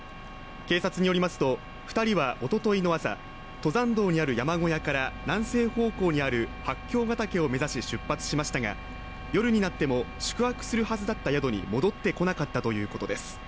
警察によりますと、２人はおとといの朝、登山道にある山小屋から南西方向にある八経ヶ岳を目指し出発しましたが、夜になっても宿泊するはずだった宿に戻ってこなかったということです。